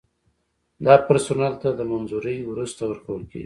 دا پرسونل ته د منظورۍ وروسته ورکول کیږي.